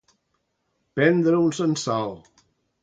Prendre un censal.